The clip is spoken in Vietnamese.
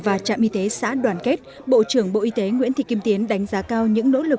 và trạm y tế xã đoàn kết bộ trưởng bộ y tế nguyễn thị kim tiến đánh giá cao những nỗ lực